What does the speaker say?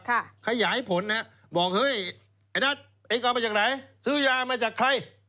ขยายผลนะฮะบอกเฮ้ยไอ้นัทเองเอามาจากไหนซื้อยามาจากใคร